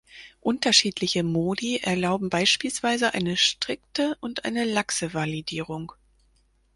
Unterschiedliche Modi erlauben beispielsweise eine strikte und eine laxe Validierung.